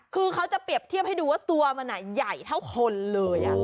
คือเขาจะเปรียบเทียบให้ดูว่าตัวมันใหญ่เท่าคนเลย